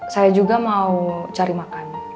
saya juga mau cari makan